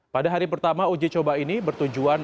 pada hari pertama uji coba ini bertujuan